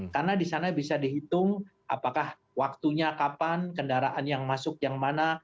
karena di sana bisa dihitung apakah waktunya kapan kendaraan yang masuk yang mana